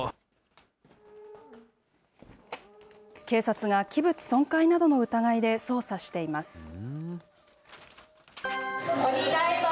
警察が器物損壊などの疑いで捜査しています。